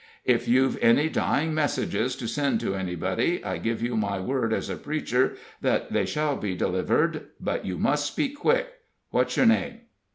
If you've any dying messages to send to anybody, I give you my word as a preacher that they shall be delivered, but you must speak quick. What's your name?"